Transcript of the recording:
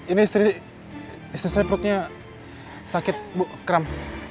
ini istri istri saya perutnya sakit bu kram